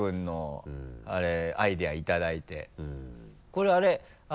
これあれ。